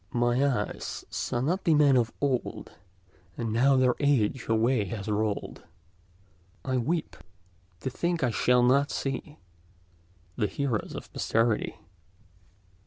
"My eyes saw not the men of old; And now their age away has rolled. I weep—to think I shall not see The heroes of posterity."